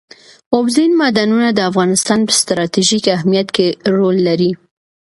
اوبزین معدنونه د افغانستان په ستراتیژیک اهمیت کې رول لري.